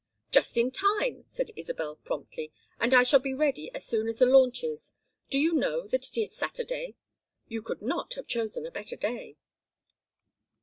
"Just in time," said Isabel, promptly; "and I shall be ready as soon as the launch is. Do you know that it is Saturday? You could not have chosen a better day."